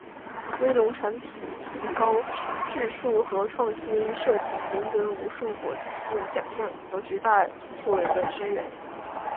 威龙产品籍高质素和创新设计赢得无数国际性奖项和绝大多数人的支援。